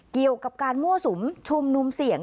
เกี่ยวกับการมั่วสุมชุมนุมเสี่ยง